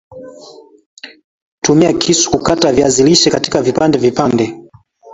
Tumia kisu kukata viazi lishe katika vipande vipande